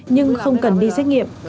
nhưng không cần đi xét nghiệm